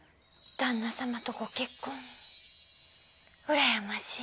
旦那様とご結婚うらやましい。